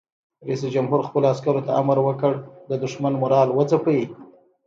رئیس جمهور خپلو عسکرو ته امر وکړ؛ د دښمن مورال وځپئ!